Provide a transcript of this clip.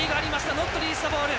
ノットリリースザボール。